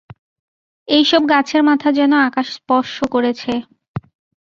এইসব গাছের মাথা যেন আকাশ স্পর্শ করেছে।